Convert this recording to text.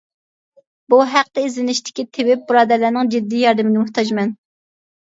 بۇ ھەقتە ئىزدىنىشتىكى تېۋىپ بۇرادەرلەرنىڭ جىددىي ياردىمىگە موھتاجمەن.